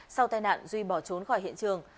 sau tai nạn duy bỏ trốn khỏi hiện trường